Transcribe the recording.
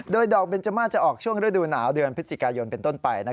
โดยดอกเบนจมาจะออกช่วงฤดูหนาวเดือนพฤศจิกายนเป็นต้นไป